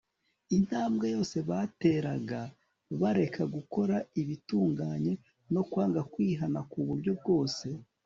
Intambwe yose bateraga bareka gukora ibitunganye no kwanga kwihana kuburyo bwose